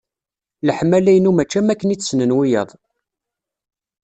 Leḥmala-inu mačči am wakken i tt-ssnen wiyaḍ.